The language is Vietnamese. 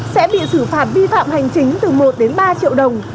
sẽ bị xử phạt vi phạm hành chính từ một đến ba triệu đồng